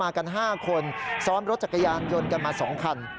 กัน๕คนซ้อนรถจักรยานยนต์กันมา๒คัน